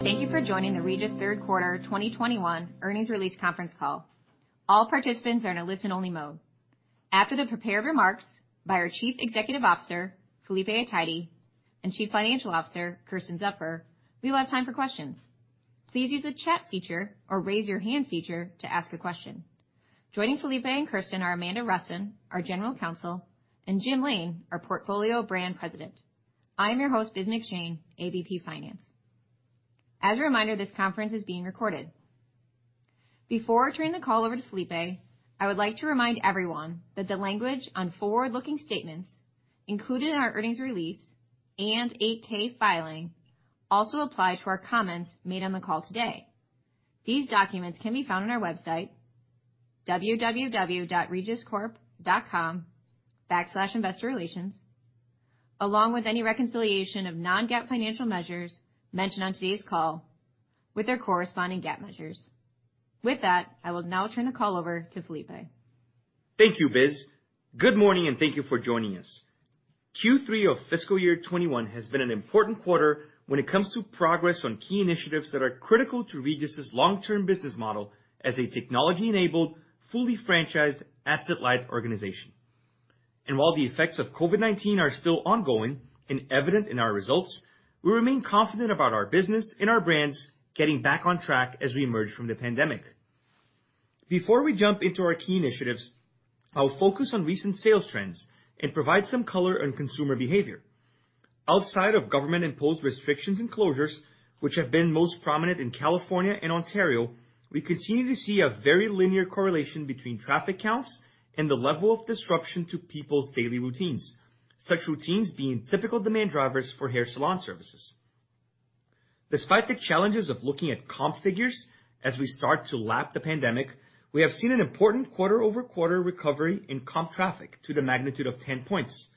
Thank you for joining the Regis third quarter 2021 earnings release conference call. All participants are in a listen-only mode. After the prepared remarks by our Chief Executive Officer Felipe Athayde and Chief Financial Officer Kersten Zupfer, we will have time for questions. Please use the chat feature or raise your hand feature to ask a question. Joining Felipe and Kersten are Amanda Rusin, our General Counsel, and Jim Lain, our Portfolio Brand President. I am your host, Biz McShane, AVP Finance. As a reminder, this conference is being recorded. Before I turn the call over to Felipe, I would like to remind everyone that the language on forward-looking statements included in our earnings release and 8-K filing also apply to our comments made on the call today. These documents can be found on our website, www.regiscorp.com/investorrelations, along with any reconciliation of non-GAAP financial measures mentioned on today's call with their corresponding GAAP measures. With that, I will now turn the call over to Felipe. Thank you, Biz. Good morning. Thank you for joining us. Q3 of fiscal year 2021 has been an important quarter when it comes to progress on key initiatives that are critical to Regis's long-term business model as a technology-enabled, fully franchised, asset-light organization. While the effects of COVID-19 are still ongoing and evident in our results, we remain confident about our business and our brands getting back on track as we emerge from the pandemic. Before we jump into our key initiatives, I'll focus on recent sales trends and provide some color on consumer behavior. Outside of government-imposed restrictions and closures, which have been most prominent in California and Ontario, we continue to see a very linear correlation between traffic counts and the level of disruption to people's daily routines, such routines being typical demand drivers for hair salon services. Despite the challenges of looking at comp figures as we start to lap the pandemic, we have seen an important quarter-over-quarter recovery in comp traffic to the magnitude of 10 points.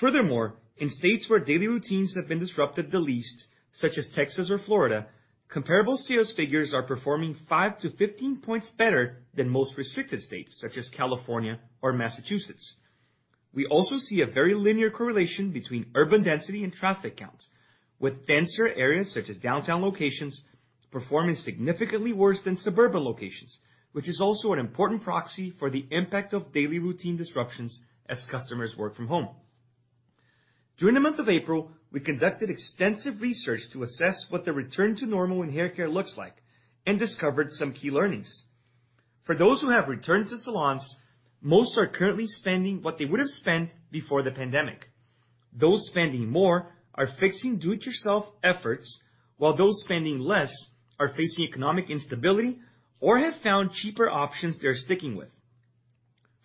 Furthermore, in states where daily routines have been disrupted the least, such as Texas or Florida, comparable sales figures are performing 5-15 points better than most restricted states, such as California or Massachusetts. We also see a very linear correlation between urban density and traffic count, with denser areas such as downtown locations performing significantly worse than suburban locations, which is also an important proxy for the impact of daily routine disruptions as customers work from home. During the month of April, we conducted extensive research to assess what the return to normal in haircare looks like and discovered some key learnings. For those who have returned to salons, most are currently spending what they would have spent before the pandemic. Those spending more are fixing do-it-yourself efforts, while those spending less are facing economic instability or have found cheaper options they are sticking with.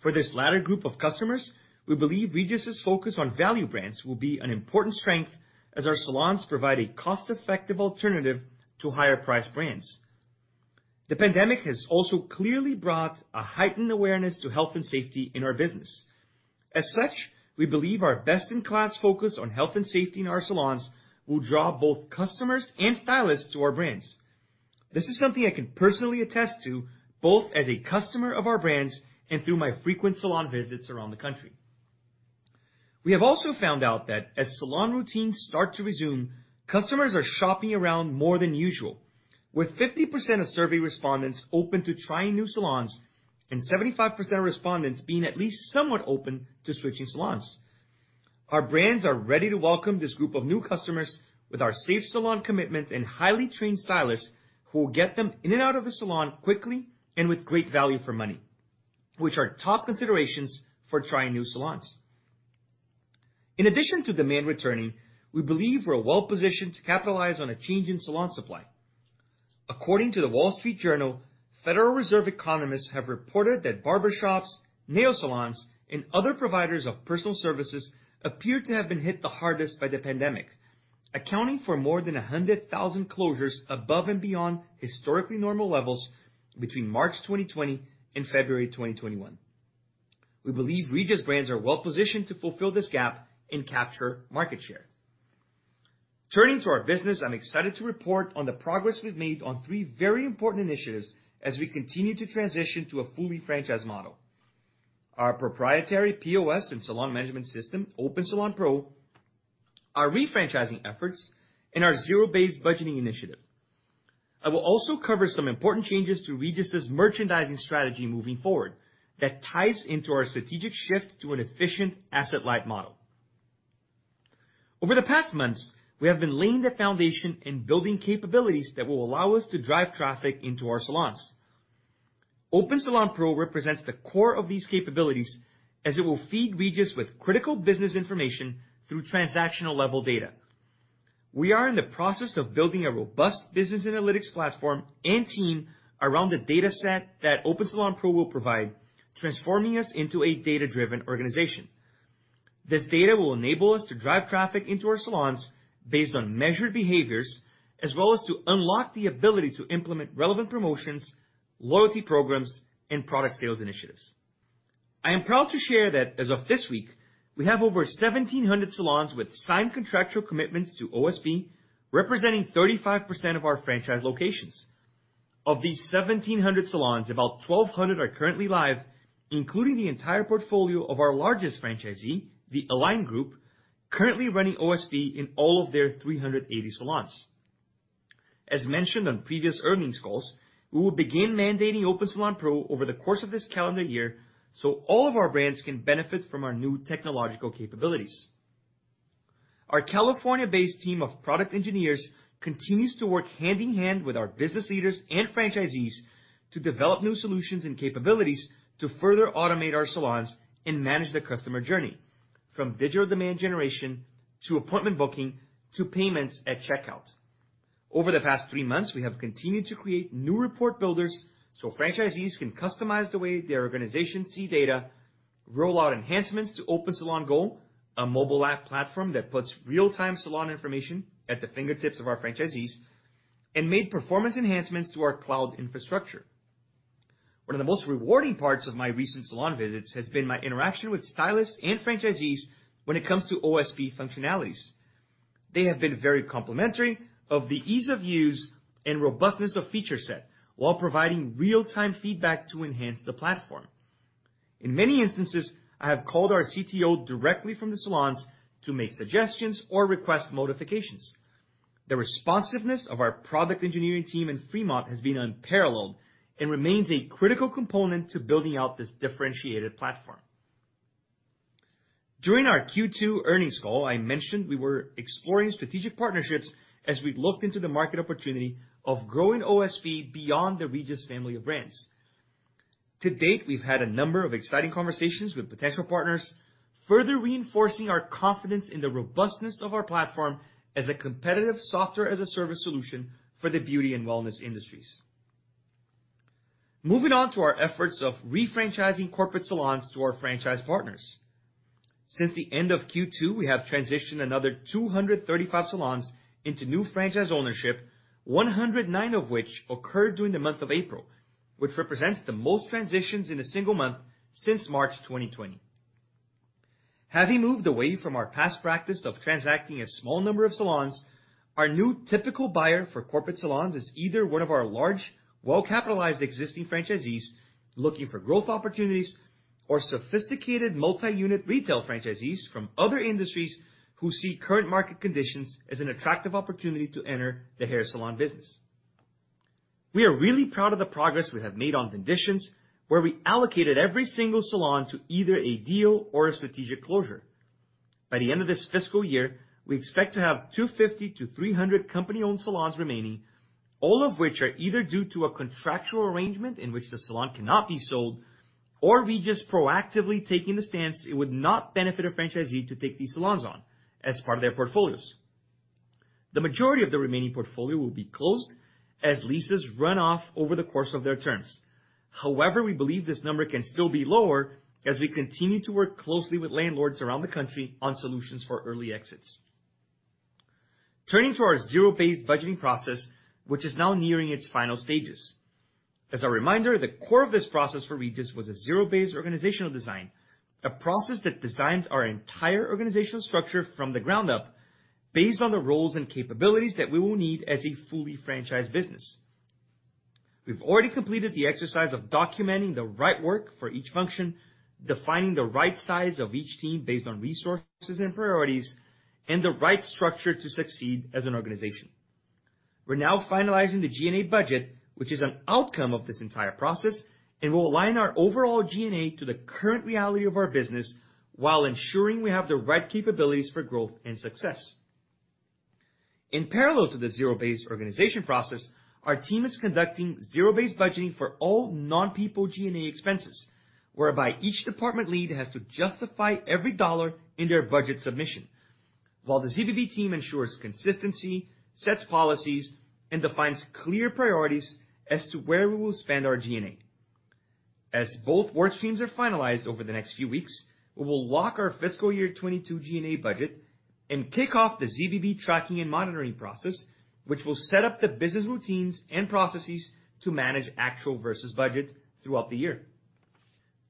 For this latter group of customers, we believe Regis's focus on value brands will be an important strength as our salons provide a cost-effective alternative to higher priced brands. The pandemic has also clearly brought a heightened awareness to health and safety in our business. As such, we believe our best-in-class focus on health and safety in our salons will draw both customers and stylists to our brands. This is something I can personally attest to, both as a customer of our brands and through my frequent salon visits around the country. We have also found out that as salon routines start to resume, customers are shopping around more than usual, with 50% of survey respondents open to trying new salons and 75% of respondents being at least somewhat open to switching salons. Our brands are ready to welcome this group of new customers with our safe salon commitment and highly trained stylists who will get them in and out of the salon quickly and with great value for money, which are top considerations for trying new salons. In addition to demand returning, we believe we're well positioned to capitalize on a change in salon supply. According to The Wall Street Journal, Federal Reserve economists have reported that barbershops, nail salons, and other providers of personal services appear to have been hit the hardest by the pandemic, accounting for more than 100,000 closures above and beyond historically normal levels between March 2020 and February 2021. We believe Regis brands are well positioned to fulfill this gap and capture market share. Turning to our business, I'm excited to report on the progress we've made on three very important initiatives as we continue to transition to a fully franchised model. Our proprietary POS and salon management system, Open Salon Pro, our re-franchising efforts, and our zero-based budgeting initiative. I will also cover some important changes to Regis's merchandising strategy moving forward that ties into our strategic shift to an efficient asset-light model. Over the past months, we have been laying the foundation and building capabilities that will allow us to drive traffic into our salons. Open Salon Pro represents the core of these capabilities as it will feed Regis with critical business information through transactional level data. We are in the process of building a robust business analytics platform and team around the data set that Open Salon Pro will provide, transforming us into a data-driven organization. This data will enable us to drive traffic into our salons based on measured behaviors, as well as to unlock the ability to implement relevant promotions, loyalty programs, and product sales initiatives. I am proud to share that as of this week, we have over 1,700 salons with signed contractual commitments to OSP, representing 35% of our franchise locations. Of these 1,700 salons, about 1,200 are currently live, including the entire portfolio of our largest franchisee, the Alline Salon Group, currently running OSP in all of their 380 salons. As mentioned on previous earnings calls, we will begin mandating Opensalon Pro over the course of this calendar year so all of our brands can benefit from our new technological capabilities. Our California-based team of product engineers continues to work hand-in-hand with our business leaders and franchisees to develop new solutions and capabilities to further automate our salons and manage the customer journey, from digital demand generation to appointment booking, to payments at checkout. Over the past three months, we have continued to create new report builders so franchisees can customize the way their organizations see data, roll out enhancements to Open Salon Go, a mobile app platform that puts real-time salon information at the fingertips of our franchisees, and made performance enhancements to our cloud infrastructure. One of the most rewarding parts of my recent salon visits has been my interaction with stylists and franchisees when it comes to OSP functionalities. They have been very complimentary of the ease of use and robustness of feature set, while providing real-time feedback to enhance the platform. In many instances, I have called our CTO directly from the salons to make suggestions or request modifications. The responsiveness of our product engineering team in Fremont has been unparalleled and remains a critical component to building out this differentiated platform. During our Q2 earnings call, I mentioned we were exploring strategic partnerships as we looked into the market opportunity of growing OSP beyond the Regis family of brands. To date, we've had a number of exciting conversations with potential partners, further reinforcing our confidence in the robustness of our platform as a competitive software-as-a-service solution for the beauty and wellness industries. Moving on to our efforts of re-franchising corporate salons to our franchise partners. Since the end of Q2, we have transitioned another 235 salons into new franchise ownership, 109 of which occurred during the month of April, which represents the most transitions in a single month since March 2020. Having moved away from our past practice of transacting a small number of salons, our new typical buyer for corporate salons is either one of our large, well-capitalized existing franchisees looking for growth opportunities or sophisticated multi-unit retail franchisees from other industries who see current market conditions as an attractive opportunity to enter the hair salon business. We are really proud of the progress we have made on transitions, where we allocated every single salon to either a deal or a strategic closure. By the end of this fiscal year, we expect to have 250 to 300 company-owned salons remaining, all of which are either due to a contractual arrangement in which the salon cannot be sold or Regis proactively taking the stance it would not benefit a franchisee to take these salons on as part of their portfolios. The majority of the remaining portfolio will be closed as leases run off over the course of their terms. However, we believe this number can still be lower as we continue to work closely with landlords around the country on solutions for early exits. Turning to our zero-based budgeting process, which is now nearing its final stages. As a reminder, the core of this process for Regis was a zero-based organizational design, a process that designs our entire organizational structure from the ground up based on the roles and capabilities that we will need as a fully franchised business. We've already completed the exercise of documenting the right work for each function, defining the right size of each team based on resources and priorities, and the right structure to succeed as an organization. We're now finalizing the G&A budget, which is an outcome of this entire process, and will align our overall G&A to the current reality of our business while ensuring we have the right capabilities for growth and success. In parallel to the zero-based organization process, our team is conducting zero-based budgeting for all non-people G&A expenses, whereby each department lead has to justify every dollar in their budget submission, while the ZBB team ensures consistency, sets policies, and defines clear priorities as to where we will spend our G&A. As both work streams are finalized over the next few weeks, we will lock our fiscal year 2022 G&A budget and kick off the ZBB tracking and monitoring process, which will set up the business routines and processes to manage actual versus budget throughout the year.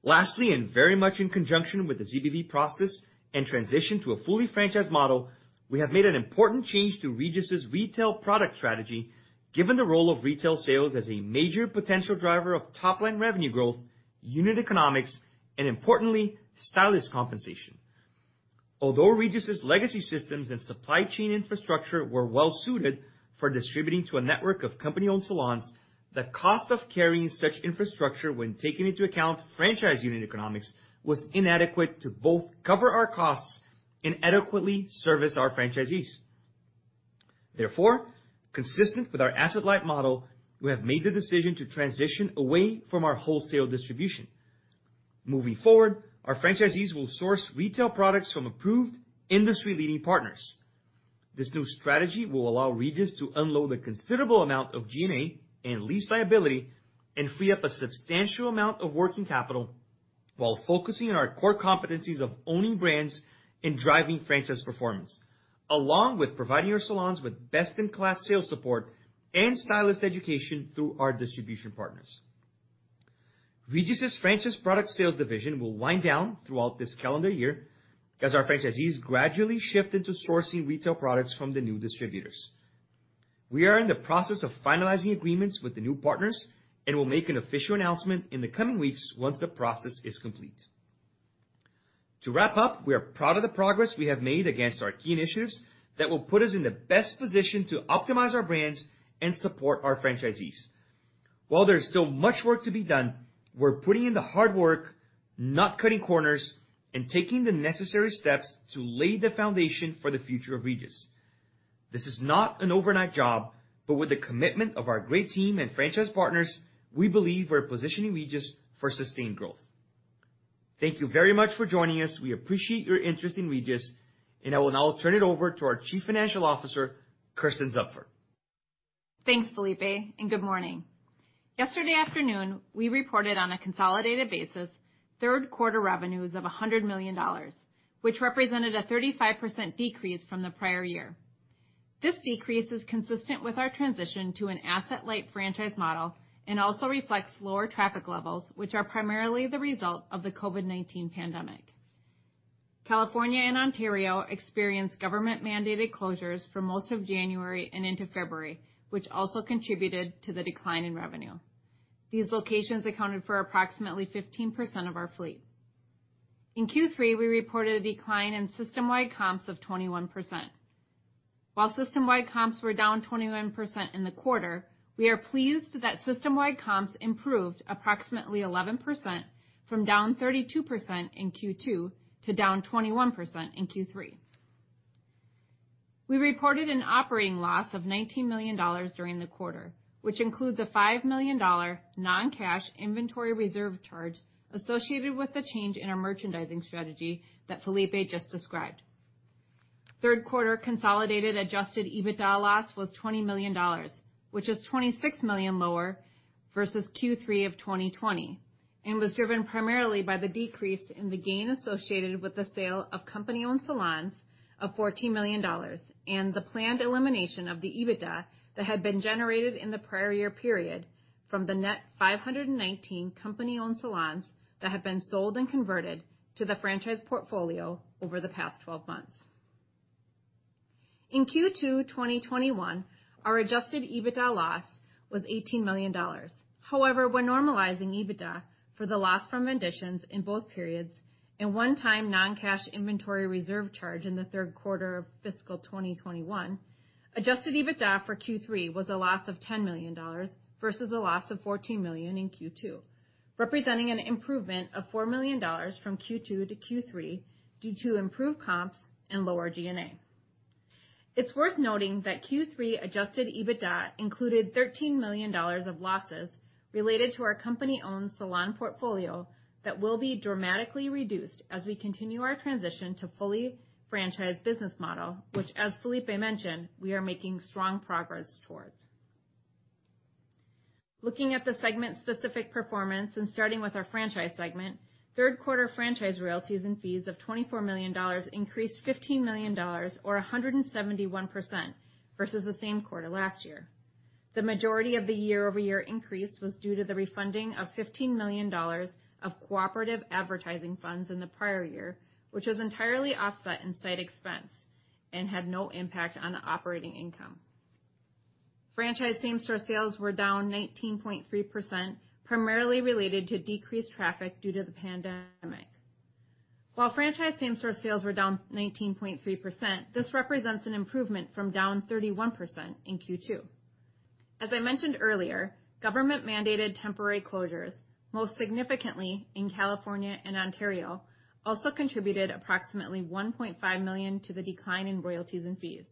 Lastly, very much in conjunction with the ZBB process and transition to a fully franchised model, we have made an important change to Regis's retail product strategy, given the role of retail sales as a major potential driver of top-line revenue growth, unit economics, and importantly, stylist compensation. Although Regis's legacy systems and supply chain infrastructure were well suited for distributing to a network of company-owned salons, the cost of carrying such infrastructure when taking into account franchise unit economics, was inadequate to both cover our costs and adequately service our franchisees. Therefore, consistent with our asset-light model, we have made the decision to transition away from our wholesale distribution. Moving forward, our franchisees will source retail products from approved industry-leading partners. This new strategy will allow Regis to unload a considerable amount of G&A and lease liability and free up a substantial amount of working capital while focusing on our core competencies of owning brands and driving franchise performance, along with providing our salons with best-in-class sales support and stylist education through our distribution partners. Regis' franchise product sales division will wind down throughout this calendar year as our franchisees gradually shift into sourcing retail products from the new distributors. We are in the process of finalizing agreements with the new partners and will make an official announcement in the coming weeks once the process is complete. To wrap up, we are proud of the progress we have made against our key initiatives that will put us in the best position to optimize our brands and support our franchisees. While there is still much work to be done, we're putting in the hard work, not cutting corners, and taking the necessary steps to lay the foundation for the future of Regis. This is not an overnight job, but with the commitment of our great team and franchise partners, we believe we're positioning Regis for sustained growth. Thank you very much for joining us. We appreciate your interest in Regis, and I will now turn it over to our Chief Financial Officer, Kersten Zupfer. Thanks, Felipe. Good morning. Yesterday afternoon, we reported on a consolidated basis third quarter revenues of $100 million, which represented a 35% decrease from the prior year. This decrease is consistent with our transition to an asset-light franchise model and also reflects lower traffic levels, which are primarily the result of the COVID-19 pandemic. California and Ontario experienced government-mandated closures for most of January and into February, which also contributed to the decline in revenue. These locations accounted for approximately 15% of our fleet. In Q3, we reported a decline in system-wide comps of 21%. While system-wide comps were down 21% in the quarter, we are pleased that system-wide comps improved approximately 11%, from down 32% in Q2 to down 21% in Q3. We reported an operating loss of $19 million during the quarter, which includes a $5 million non-cash inventory reserve charge associated with the change in our merchandising strategy that Felipe just described. Third quarter consolidated adjusted EBITDA loss was $20 million, which is $26 million lower versus Q3 of 2020. Was driven primarily by the decrease in the gain associated with the sale of company-owned salons of $14 million, and the planned elimination of the EBITDA that had been generated in the prior year period from the net 519 company-owned salons that have been sold and converted to the franchise portfolio over the past 12 months. In Q2 2021, our adjusted EBITDA loss was $18 million. When normalizing EBITDA for the loss from divestitures in both periods and one-time non-cash inventory reserve charge in the third quarter of fiscal 2021, adjusted EBITDA for Q3 was a loss of $10 million versus a loss of $14 million in Q2, representing an improvement of $4 million from Q2 to Q3 due to improved comps and lower G&A. It is worth noting that Q3 adjusted EBITDA included $13 million of losses related to our company-owned salon portfolio that will be dramatically reduced as we continue our transition to fully franchise business model, which, as Felipe mentioned, we are making strong progress towards. Looking at the segment-specific performance and starting with our franchise segment, third quarter franchise royalties and fees of $24 million increased $15 million or 171% versus the same quarter last year. The majority of the year-over-year increase was due to the refunding of $15 million of cooperative advertising funds in the prior year, which was entirely offset in site expense and had no impact on the operating income. Franchise same-store sales were down 19.3%, primarily related to decreased traffic due to the pandemic. While franchise same-store sales were down 19.3%, this represents an improvement from down 31% in Q2. As I mentioned earlier, government-mandated temporary closures, most significantly in California and Ontario, also contributed approximately $1.5 million to the decline in royalties and fees.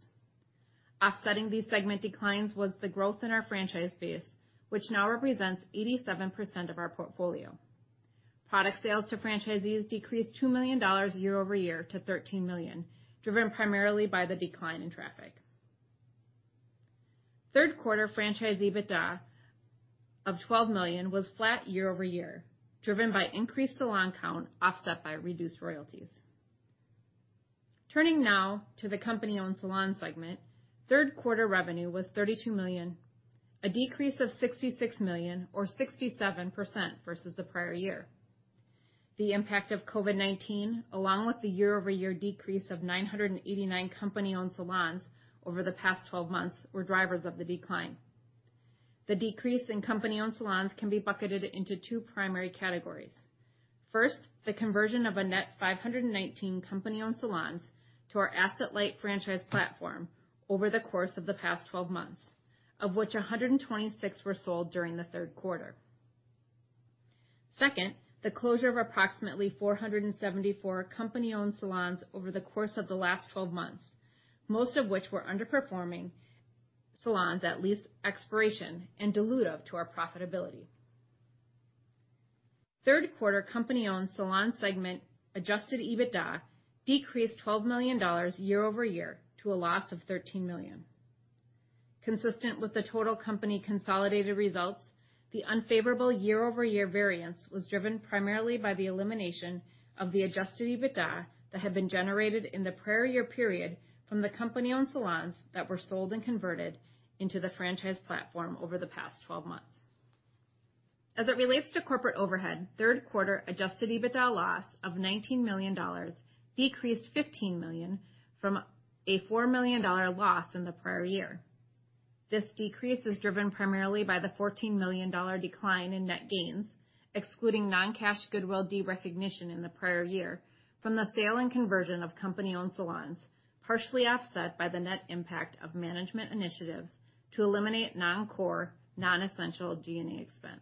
Offsetting these segment declines was the growth in our franchise base, which now represents 87% of our portfolio. Product sales to franchisees decreased $2 million year-over-year to $13 million, driven primarily by the decline in traffic. Third quarter franchise EBITDA of $12 million was flat year-over-year, driven by increased salon count, offset by reduced royalties. Turning now to the company-owned salon segment, third quarter revenue was $32 million, a decrease of $66 million or 67% versus the prior year. The impact of COVID-19, along with the year-over-year decrease of 989 company-owned salons over the past 12 months, were drivers of the decline. The decrease in company-owned salons can be bucketed into two primary categories. First, the conversion of a net 519 company-owned salons to our asset-light franchise platform over the course of the past 12 months, of which 126 were sold during the third quarter. Second, the closure of approximately 474 company-owned salons over the course of the last 12 months, most of which were underperforming salons at lease expiration and dilutive to our profitability. Third quarter company-owned salon segment adjusted EBITDA decreased $12 million year-over-year to a loss of $13 million. Consistent with the total company consolidated results, the unfavorable year-over-year variance was driven primarily by the elimination of the adjusted EBITDA that had been generated in the prior year period from the company-owned salons that were sold and converted into the franchise platform over the past 12 months. As it relates to corporate overhead, third quarter adjusted EBITDA loss of $19 million decreased $15 million from a $4 million loss in the prior year. This decrease is driven primarily by the $14 million decline in net gains, excluding non-cash goodwill derecognition in the prior year from the sale and conversion of company-owned salons, partially offset by the net impact of management initiatives to eliminate non-core, non-essential G&A expense.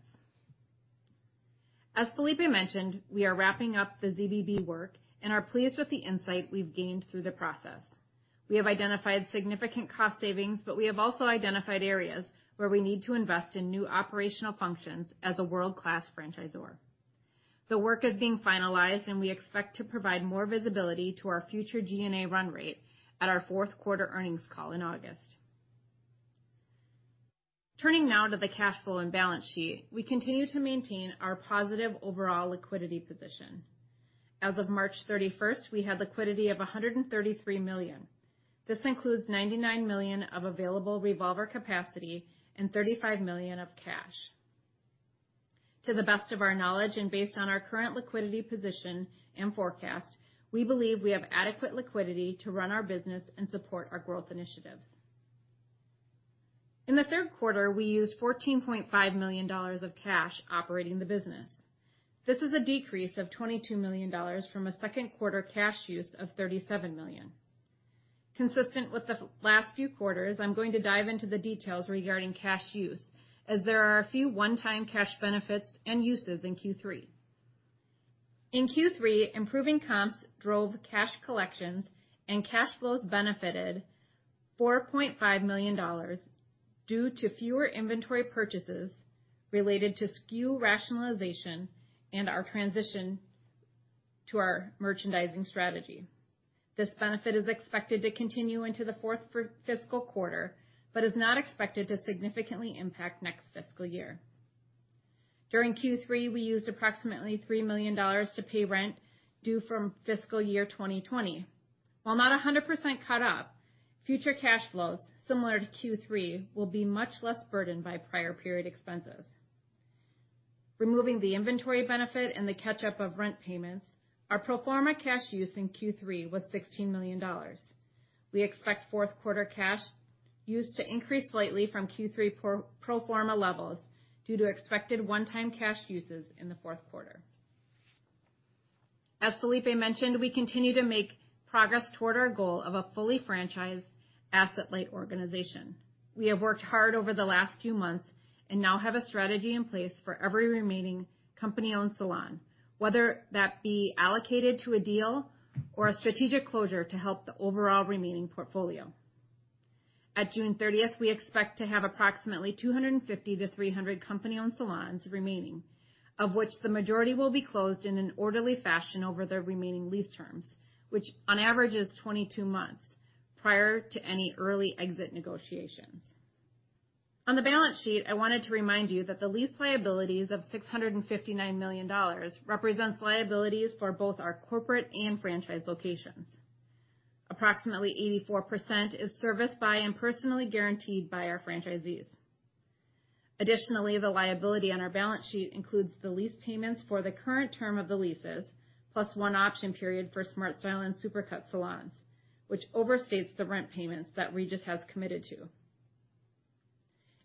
As Felipe mentioned, we are wrapping up the ZBB work and are pleased with the insight we've gained through the process. We have identified significant cost savings, but we have also identified areas where we need to invest in new operational functions as a world-class franchisor. The work is being finalized, and we expect to provide more visibility to our future G&A run rate at our fourth quarter earnings call in August. Turning now to the cash flow and balance sheet. We continue to maintain our positive overall liquidity position. As of March 31st, we had liquidity of $133 million. This includes $99 million of available revolver capacity and $35 million of cash. To the best of our knowledge, and based on our current liquidity position and forecast, we believe we have adequate liquidity to run our business and support our growth initiatives. In the third quarter, we used $14.5 million of cash operating the business. This is a decrease of $22 million from a second quarter cash use of $37 million. Consistent with the last few quarters, I'm going to dive into the details regarding cash use, as there are a few one-time cash benefits and uses in Q3. In Q3, improving comps drove cash collections, and cash flows benefited $4.5 million due to fewer inventory purchases related to SKU rationalization and our transition to our merchandising strategy. This benefit is expected to continue into the fourth fiscal quarter, but is not expected to significantly impact next fiscal year. During Q3, we used approximately $3 million to pay rent due from fiscal year 2020. While not 100% caught up, future cash flows, similar to Q3, will be much less burdened by prior period expenses. Removing the inventory benefit and the catch-up of rent payments, our pro forma cash use in Q3 was $16 million. We expect fourth quarter cash use to increase slightly from Q3 pro forma levels due to expected one-time cash uses in the fourth quarter. As Felipe mentioned, we continue to make progress toward our goal of a fully franchised asset-light organization. We have worked hard over the last few months and now have a strategy in place for every remaining company-owned salon, whether that be allocated to a deal or a strategic closure to help the overall remaining portfolio. At June 30th, we expect to have approximately 250 to 300 company-owned salons remaining, of which the majority will be closed in an orderly fashion over their remaining lease terms, which on average is 22 months, prior to any early exit negotiations. On the balance sheet, I wanted to remind you that the lease liabilities of $659 million represents liabilities for both our corporate and franchise locations. Approximately 84% is serviced by and personally guaranteed by our franchisees. Additionally, the liability on our balance sheet includes the lease payments for the current term of the leases, plus one option period for SmartStyle and Supercuts salons, which overstates the rent payments that Regis has committed to.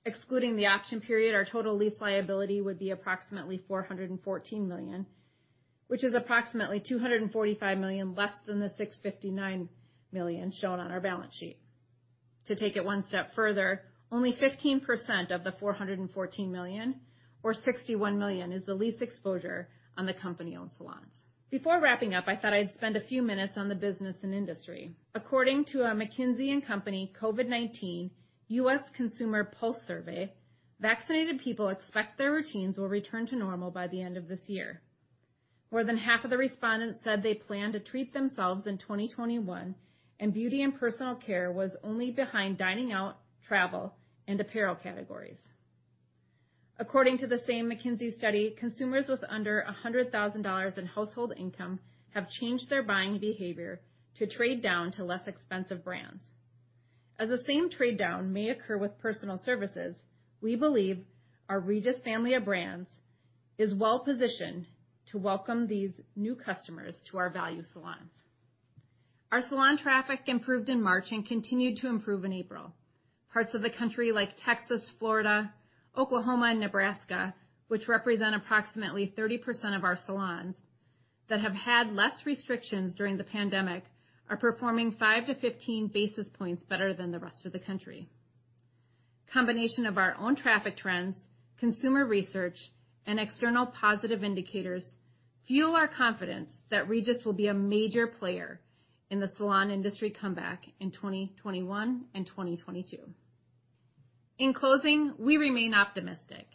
Excluding the option period, our total lease liability would be approximately $414 million, which is approximately $245 million less than the $659 million shown on our balance sheet. To take it one step further, only 15% of the $414 million or $61 million is the lease exposure on the company-owned salons. Before wrapping up, I thought I'd spend a few minutes on the business and industry. According to a McKinsey & Company COVID-19 U.S. Consumer Pulse Survey, vaccinated people expect their routines will return to normal by the end of this year. More than half of the respondents said they plan to treat themselves in 2021, and beauty and personal care was only behind dining out, travel, and apparel categories. According to the same McKinsey study, consumers with under $100,000 in household income have changed their buying behavior to trade down to less expensive brands. As the same trade down may occur with personal services, we believe our Regis family of brands is well positioned to welcome these new customers to our value salons. Our salon traffic improved in March and continued to improve in April. Parts of the country like Texas, Florida, Oklahoma, and Nebraska, which represent approximately 30% of our salons that have had less restrictions during the pandemic, are performing 5-15 basis points better than the rest of the country. Combination of our own traffic trends, consumer research, and external positive indicators fuel our confidence that Regis will be a major player in the salon industry comeback in 2021 and 2022. In closing, we remain optimistic.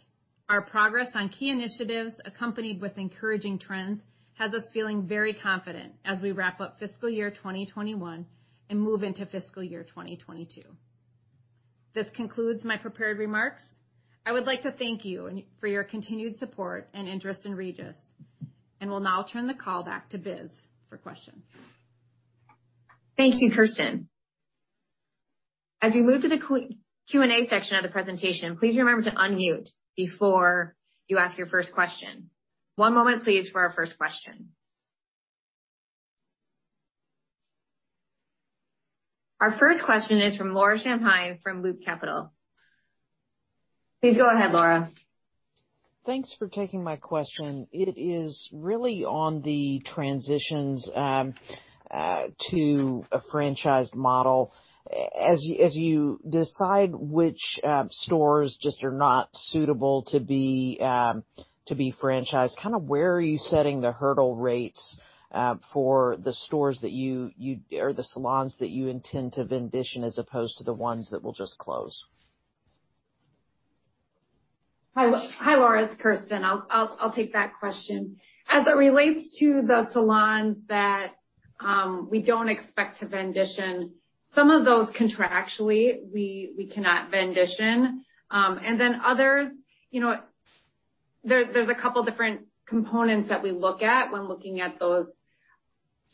Our progress on key initiatives, accompanied with encouraging trends, has us feeling very confident as we wrap up fiscal year 2021 and move into fiscal year 2022. This concludes my prepared remarks. I would like to thank you for your continued support and interest in Regis, and will now turn the call back to Biz for questions. Thank you, Kersten. As we move to the Q&A section of the presentation, please remember to unmute before you ask your first question. One moment please for our first question. Our first question is from Laura Champine from Loop Capital. Please go ahead, Laura. Thanks for taking my question. It is really on the transitions to a franchised model. As you decide which stores just are not suitable to be franchised, where are you setting the hurdle rates for the stores or the salons that you intend to vendition, as opposed to the ones that will just close? Hi, Laura. It's Kersten. I'll take that question. As it relates to the salons that we don't expect to vendition, some of those contractually we cannot vendition. Others, there's a couple different components that we look at when looking at those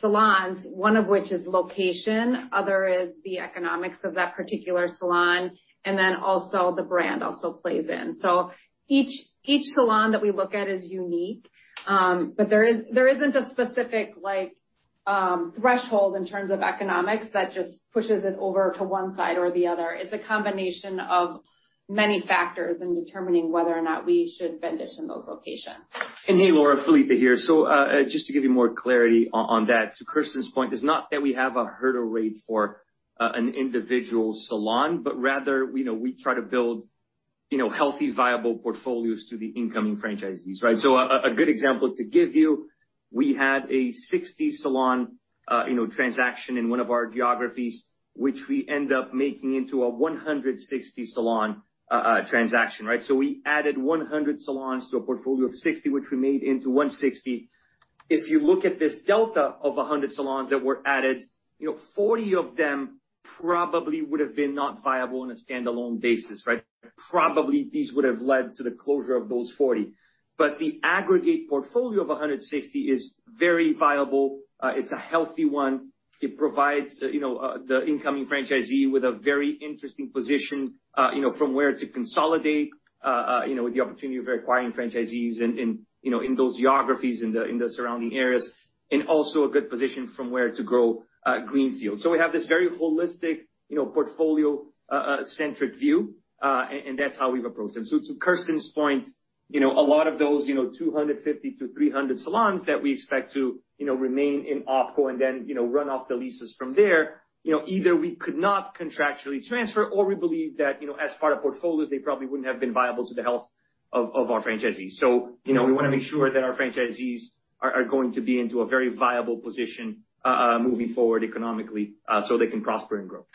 salons. One of which is location, other is the economics of that particular salon, and then also the brand also plays in. Each salon that we look at is unique. There isn't a specific threshold in terms of economics that just pushes it over to one side or the other. It's a combination of many factors in determining whether or not we should vendition those locations. Hey, Laura, Felipe here. Just to give you more clarity on that, to Kersten's point, it's not that we have a hurdle rate for an individual salon, but rather, we try to build healthy, viable portfolios to the incoming franchisees, right? A good example to give you, we had a 60-salon transaction in one of our geographies, which we end up making into a 160-salon transaction, right? We added 100 salons to a portfolio of 60, which we made into 160. If you look at this delta of 100 salons that were added, 40 of them probably would've been not viable on a standalone basis, right? Probably these would've led to the closure of those 40. The aggregate portfolio of 160 is very viable. It's a healthy one. It provides the incoming franchisee with a very interesting position, from where to consolidate with the opportunity of acquiring franchisees in those geographies, in the surrounding areas, and also a good position from where to grow greenfield. We have this very holistic portfolio-centric view, and that's how we've approached them. To Kersten's point, a lot of those 250-300 salons that we expect to remain in opco and then run off the leases from there, either we could not contractually transfer, or we believe that as part of portfolios, they probably wouldn't have been viable to the health of our franchisees. We want to make sure that our franchisees are going to be into a very viable position moving forward economically, so they can prosper and grow.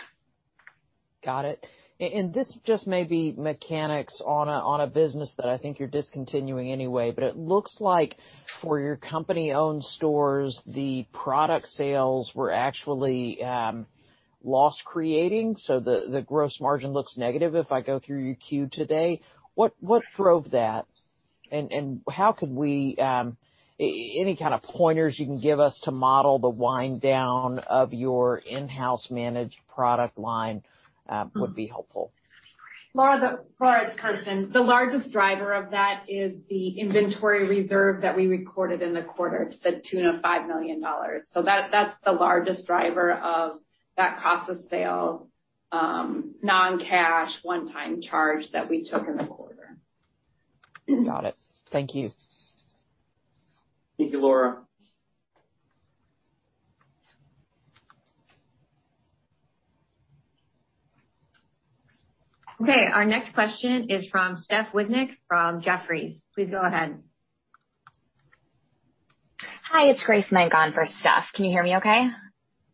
Got it. This just may be mechanics on a business that I think you're discontinuing anyway, it looks like for your company-owned stores, the product sales were actually loss-creating, the gross margin looks negative if I go through your Q today. What drove that, any kind of pointers you can give us to model the wind down of your in-house managed product line would be helpful. Laura Champine, it's Kersten. The largest driver of that is the inventory reserve that we recorded in the quarter. It's the tune of $5 million. That's the largest driver of that cost of sale, non-cash, one-time charge that we took in the quarter. Got it. Thank you. Thank you, Laura. Okay, our next question is from Stephanie Wissink from Jefferies. Please go ahead. Hi, it's Grace Mangan for Steph. Can you hear me okay?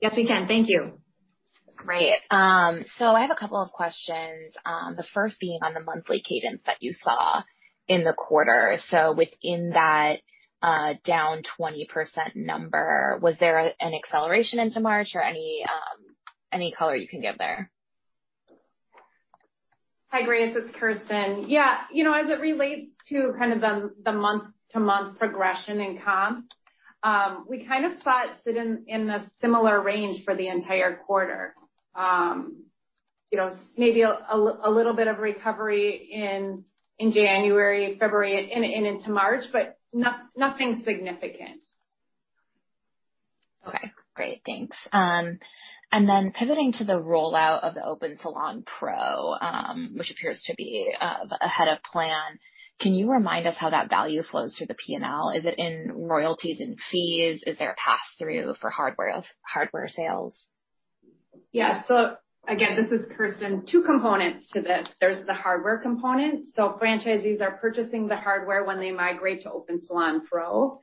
Yes, we can. Thank you. Great. I have a couple of questions. The first being on the monthly cadence that you saw in the quarter. Within that down 20% number, was there an acceleration into March or any color you can give there? Hi, Grace Mangan. It's Kersten. Yeah. As it relates to kind of the month-to-month progression in comp, we kind of thought sit in a similar range for the entire quarter. Maybe a little bit of recovery in January, February, and into March, but nothing significant. Okay, great. Thanks. Pivoting to the rollout of the Open Salon Pro, which appears to be ahead of plan, can you remind us how that value flows through the P&L? Is it in royalties and fees? Is there a pass-through for hardware sales? Yeah. Again, this is Kersten. Two components to this. There's the hardware component. Franchisees are purchasing the hardware when they migrate to Open Salon Pro.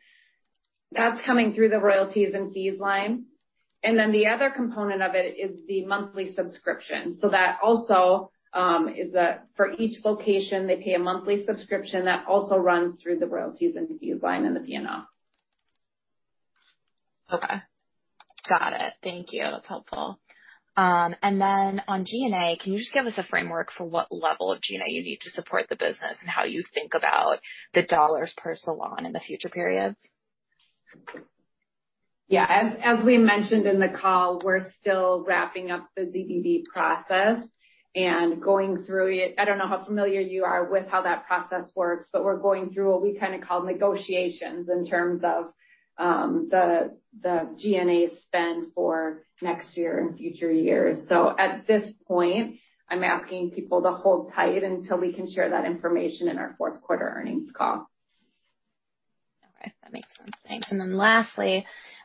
That's coming through the royalties and fees line. The other component of it is the monthly subscription. That also is that for each location, they pay a monthly subscription that also runs through the royalties and fees line in the P&L. Okay. Got it. Thank you. That's helpful. On G&A, can you just give us a framework for what level of G&A you need to support the business and how you think about the dollars per salon in the future periods? Yeah. As we mentioned in the call, we're still wrapping up the ZBB process and going through it. I don't know how familiar you are with how that process works, but we're going through what we call negotiations in terms of the G&A spend for next year and future years. At this point, I'm asking people to hold tight until we can share that information in our fourth quarter earnings call. Okay. That makes sense. Thanks.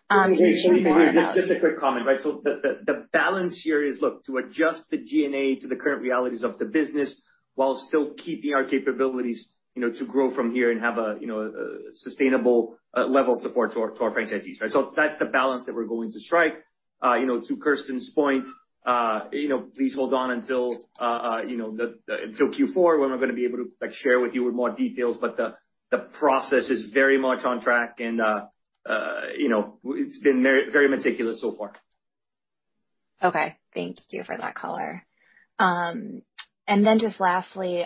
Hey, Grace. Felipe here. Just a quick comment. The balance here is, look, to adjust the G&A to the current realities of the business while still keeping our capabilities to grow from here and have a sustainable level of support to our franchisees. To Kersten's point, please hold on until Q4, when we're going to be able to share with you with more details. The process is very much on track, and it's been very meticulous so far. Okay. Thank you for that color. Just lastly,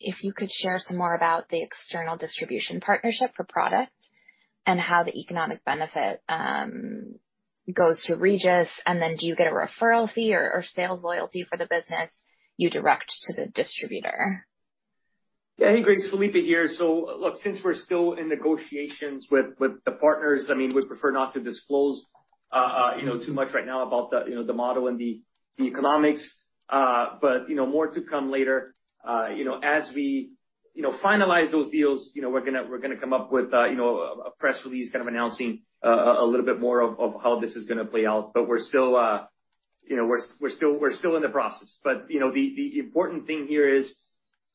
if you could share some more about the external distribution partnership for product and how the economic benefit goes to Regis. Do you get a referral fee or sales loyalty for the business you direct to the distributor? Yeah. Hey, Grace. Felipe here. Look, since we're still in negotiations with the partners, we prefer not to disclose too much right now about the model and the economics. More to come later. As we finalize those deals, we're going to come up with a press release kind of announcing a little bit more of how this is going to play out. We're still in the process. The important thing here is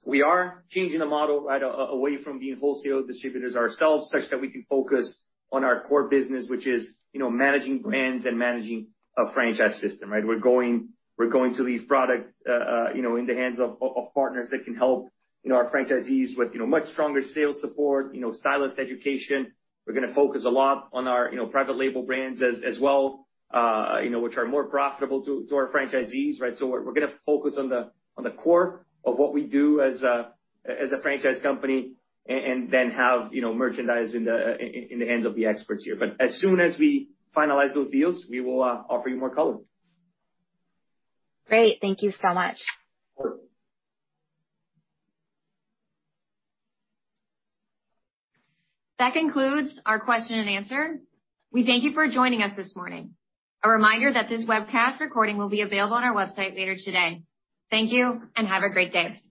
we are changing the model away from being wholesale distributors ourselves, such that we can focus on our core business, which is managing brands and managing a franchise system, right? We're going to leave product in the hands of partners that can help our franchisees with much stronger sales support, stylist education. We're going to focus a lot on our private label brands as well, which are more profitable to our franchisees. We're going to focus on the core of what we do as a franchise company and then have merchandise in the hands of the experts here. As soon as we finalize those deals, we will offer you more color. Great. Thank you so much. Sure. That concludes our question and answer. We thank you for joining us this morning. A reminder that this webcast recording will be available on our website later today. Thank you, and have a great day.